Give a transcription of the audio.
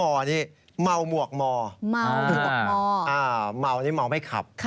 ๓มนี่เมามวกมอเมาหรือเหมาไม่คับ